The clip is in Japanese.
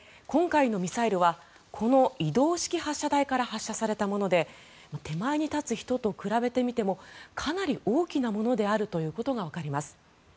今回のミサイルはこの移動式発射台から発射されたもので手前に立つ人と比べてみてもかなり大きなものであることがわかります。